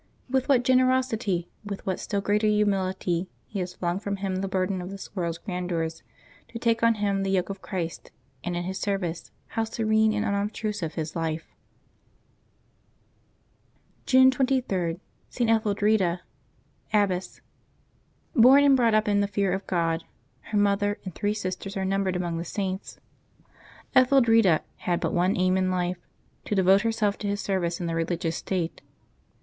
With what generosity, with what still greater humility, he has flung from him the burden of this world's grandeurs to take on him the yoke of Christ, and in His service how serene and unobtrusive his life !" June 23.— ST. ETHELDREDA, Abbess. ©ORN and brought up in the fear of God — her mother and three sisters are numbered among the Saints — Etheldreda had but one aim in life, to devote herself to His service in the religious state.